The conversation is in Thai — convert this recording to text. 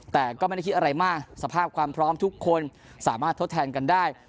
แต่ก็ไม่ได้คิดอะไรมากสภาพความพร้อมทุกคนสามารถทดแทนกันได้